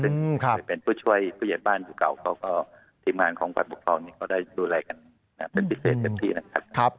ถึงเป็นผู้ช่วยผู้เย็นบ้านอยู่เก่าเขาก็ทีมงานของพันธุ์ประกอบนี้ก็ได้ดูแลกันเป็นพิเศษทั้งที่นะครับ